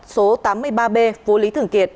số tám mươi ba b phố lý thường kiệt